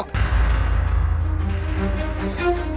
kau tak peduli sama aku